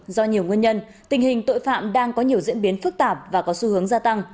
do nhiều nguyên nhân tình hình tội phạm đang có nhiều diễn biến phức tạp và có xu hướng gia tăng